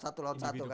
satu lawan satu kan